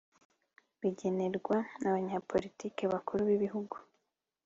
bigenerwa Abanyapolitiki Bakuru b Igihugu